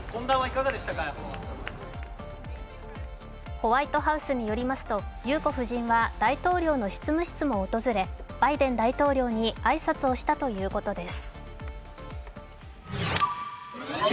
ホワイトハウスによりますと、裕子夫人は大統領の執務室も訪れバイデン大統領に挨拶をしたということです。